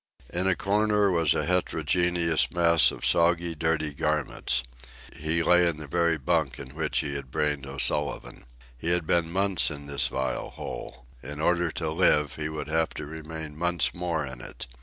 In a corner was a heterogeneous mass of soggy, dirty garments. He lay in the very bunk in which he had brained O'Sullivan. He had been months in this vile hole. In order to live he would have to remain months more in it.